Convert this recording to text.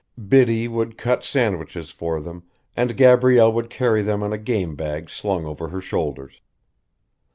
Biddy would cut sandwiches for them and Gabrielle would carry them in a game bag slung over her shoulders.